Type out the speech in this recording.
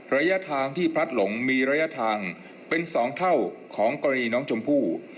ระยะทางที่พลัดหลงมีระยะทางเป็น๒เท่าของกรณีน้องชมพู่